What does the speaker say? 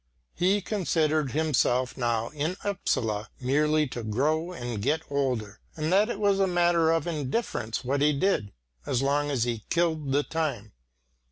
He considered himself now in Upsala merely to grow and get older, and that it was a matter of indifference what he did, as long as he killed the time.